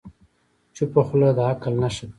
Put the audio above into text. چپه خوله، د عقل نښه ده.